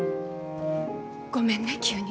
ごめんね急に。